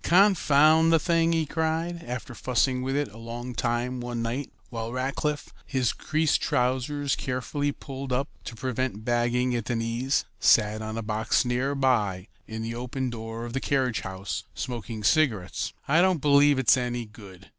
"Confound the thing!" he cried, after fussing with it a long time one night, while Rackliff, his creased trousers carefully pulled up to prevent bagging at the knees, sat on a box near by, in the open door of the carriage house, smoking cigarettes. "I don't believe it's any good.